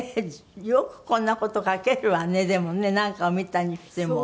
よくこんな事描けるわねでもねなんかを見たにしても。